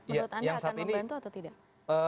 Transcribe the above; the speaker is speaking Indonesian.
menurut anda akan membantu atau tidak